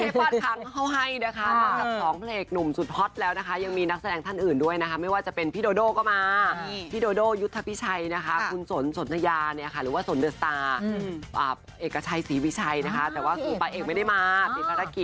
พูดเจ๋งขนาดนี้เดี๋ยวประเภยปลายคางเขาเห็นเลย